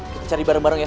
bisa cari bareng bareng ya